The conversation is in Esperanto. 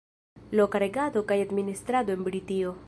Loka regado kaj administrado en Britio.